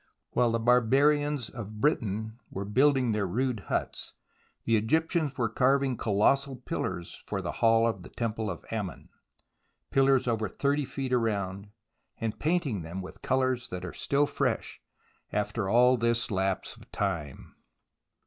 While the barbarians of Britain were building their rude huts, the Egyptians were carving colossal [Il I f o h □ X u THE ROMANCE OF EXCAVATION 78 pillars for the Hall of the Temple of Ammon, pillars over 30 feet round, and painting them with colours which are still fresh after all this lapse of time.